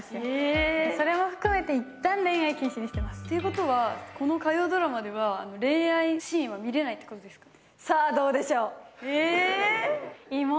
えっそれも含めて一旦恋愛禁止にしてますていうことはこの火曜ドラマでは恋愛シーンは見れないってことですか？